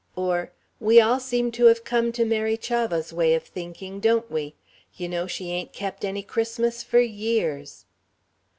Or, "We all seem to have come to Mary Chavah's way of thinking, don't we? You know, she ain't kept any Christmas for years."